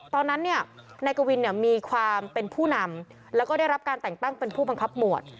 ตอนนั้นเนี่ยนายกวินมีความเป็นผู้นำแล้วก็ได้รับการแต่งตั้งเป็นผู้บังคับหมวด